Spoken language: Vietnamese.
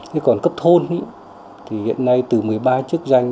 thế còn cấp thôn thì hiện nay từ một mươi ba chức danh